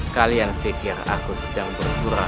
kalian pikir aku sedang berpura